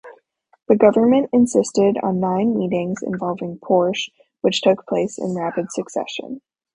The government insisted on nine meetings involving Porsche which took place in rapid succession.